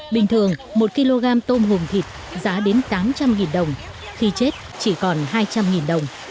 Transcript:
bình thường một kg tôm hùm thịt giá đến tám trăm linh đồng khi chết chỉ còn hai trăm linh đồng